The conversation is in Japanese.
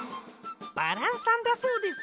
「バラン」さんだそうです。